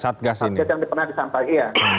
satgas yang pernah disampaikan